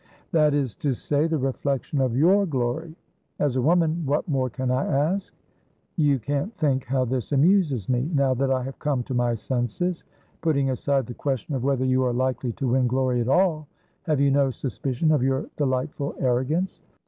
"That is to say, the reflection of your glory. As a woman, what more can I ask? You can't think how this amuses me, now that I have come to my senses. Putting aside the question of whether you are likely to win glory at all, have you no suspicion of your delightful arrogance?